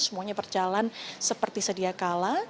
semuanya berjalan seperti sedia kala